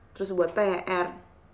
terus buat pr